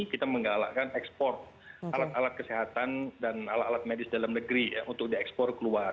kita menggalakkan ekspor alat alat kesehatan dan alat alat medis dalam negeri untuk diekspor keluar